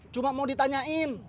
cuma mau ditanyain